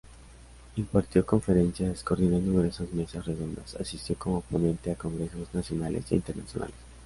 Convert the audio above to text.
Impartió conferencias, coordinó numerosas mesas redondas, asistió como ponente a congresos nacionales e internacionales.